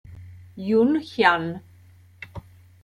Yoon Hyun